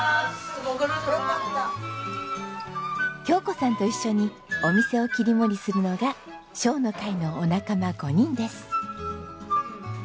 京子さんと一緒にお店を切り盛りするのが笑の会のお仲間５人です。